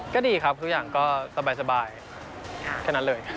ก็ดีครับทุกอย่างก็สบายแค่นั้นเลย